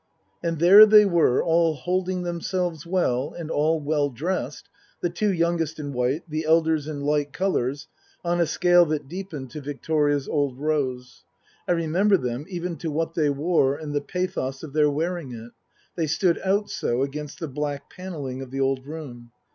And there they were, all holding themselves well, and all well dressed the two youngest in white, the elders in light colours on a scale that deepened to Victoria's old rose. I remember them, even to what they wore and the pathos of their wearing it ; they stood out so against the black panelling of the old room.